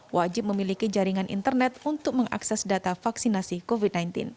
wajib memiliki jaringan internet untuk mengakses data vaksinasi covid sembilan belas